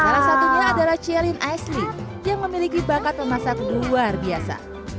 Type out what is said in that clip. salah satunya adalah cialin asli yang memiliki bakat memasak luar biasa